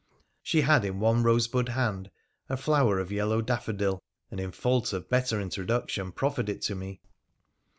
She had in one rosebud hand a flower of yellow daffodil, and in fault of better introduction proffered it to me.